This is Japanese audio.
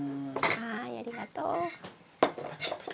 はいありがとう。